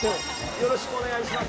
よろしくお願いします。